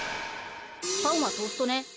パンはトーストね。